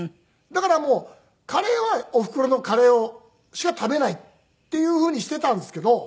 だからカレーはおふくろのカレーしか食べないっていうふうにしていたんですけど。